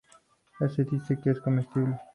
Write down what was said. Se dice que es comestible.